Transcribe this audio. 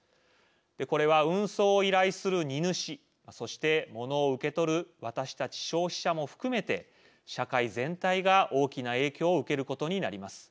これは運送を依頼する荷主そして物を受け取る私たち消費者も含めて社会全体が大きな影響を受けることになります。